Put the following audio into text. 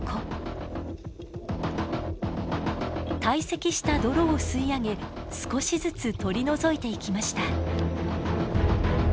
堆積した泥を吸い上げ少しずつ取り除いていきました。